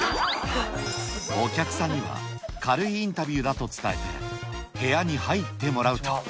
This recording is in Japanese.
お客さんには、軽いインタビューだと伝えて、部屋に入ってもらうと。